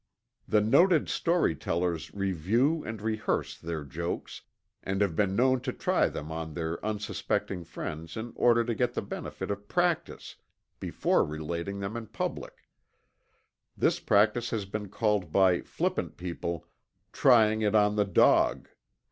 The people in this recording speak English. The noted story tellers review and rehearse their jokes, and have been known to try them on their unsuspecting friends in order to get the benefit of practice before relating them in public this practice has been called by flippant people: "trying it on the dog."